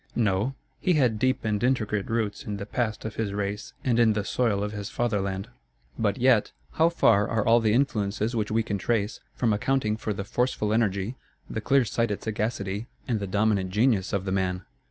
No, he had deep and intricate roots in the past of his race and in the soil of his fatherland. But yet, how far are all the influences which we can trace, from accounting for the forceful energy, the clear sighted sagacity, and the dominant genius of the man!